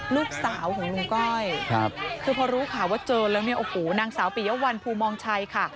ลูกสาวของลุงก้อยคือพอรู้ข่าวว่าเจอแล้วเนี่ยโอ้โหนางสาวปียวัลภูมองชัยค่ะ